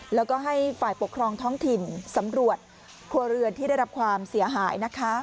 แล้วก็ให้ฝ่ายปกครองท้องถิ่นสำรวจครัวเรือนที่ได้รับความเสียหายนะคะ